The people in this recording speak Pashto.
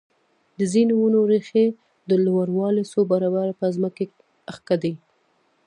د ځینو ونو ریښې د لوړوالي څو برابره په ځمکه کې ښکته ځي.